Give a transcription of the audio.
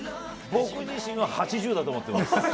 僕自身は８０だと思ってます。